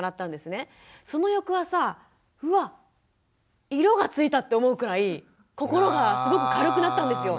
その翌朝うわ色がついたって思うくらい心がすごく軽くなったんですよ。